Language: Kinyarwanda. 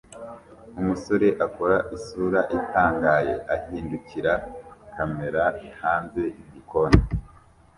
Umusore akora isura itangaye ahindukirira kamera hanze yigikoni cye